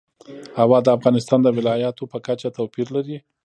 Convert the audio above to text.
هوا د افغانستان د ولایاتو په کچه توپیر لري.